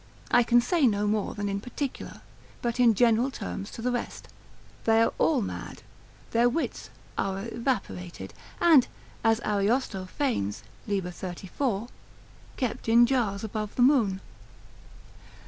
I can say no more than in particular, but in general terms to the rest, they are all mad, their wits are evaporated, and, as Ariosto feigns, l. 34, kept in jars above the moon.